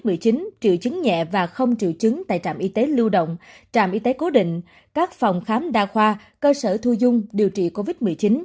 tầng hai thu dung cách nhẹ và không triệu chứng tại trạm y tế lưu động trạm y tế cố định các phòng khám đa khoa cơ sở thu dung điều trị covid một mươi chín